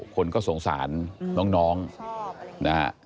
คนก็สงสารน้องนะครับ